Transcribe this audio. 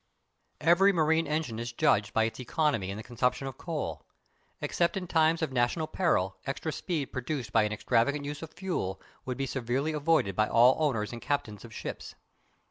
Every marine engine is judged by its economy in the consumption of coal. Except in times of national peril extra speed produced by an extravagant use of fuel would be severely avoided by all owners and captains of ships.